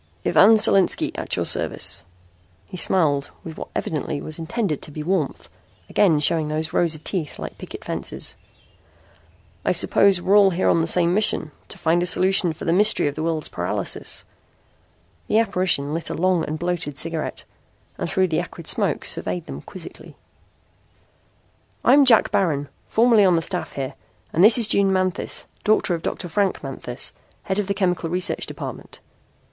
"Ivan Solinski, at your service." He smiled with what evidently was intended to be warmth, again showing those rows of teeth like picket fences. "I suppose we're all here on the same mission: to find a solution for the mystery of the world's paralysis." The apparition lit a long and bloated cigarette and through the acrid smoke surveyed them quizzically. "I'm Jack Baron, formerly on the staff here, and this is June Manthis, daughter of Dr. Frank Manthis, head of the chemical research department."